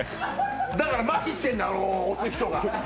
だから麻痺してるんだ、押す人が。